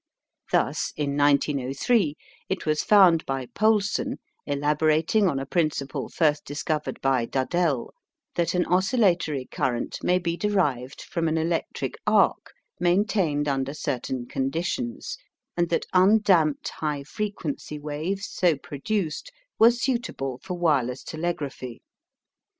Thus in 1903 it was found by Poulsen, elaborating on a principle first discovered by Duddell, that an oscillatory current may be derived from an electric arc maintained under certain conditions and that undamped high frequency waves so produced were suitable for wireless telegraphy.